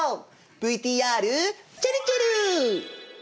ＶＴＲちぇるちぇる！